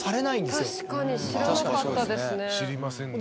確かに知らなかったですね。